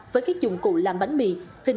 với các dụng cụ làm bánh mì